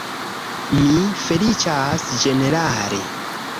Mi feliĉas ĝenerale!